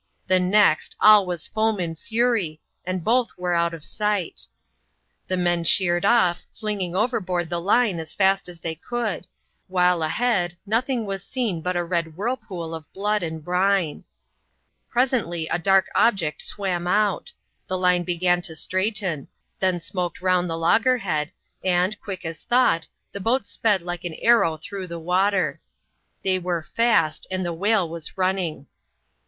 The next, all was foam and fury^ and both were out of sight. The men sheered off, flinging CHAP. XIX.] A SURPRISE.— MORE ABOUT BEMBO. 73 overboard the line as fast as they could ; while a head, nothing was seen but a red whirlpool of blood and brine. Presently, a dark object swam out; the line began to straighten ; then smoked round the loggerhead, and, quick as thought, the boat sped like an arrow through the water. They were *' fast," and the whale was running.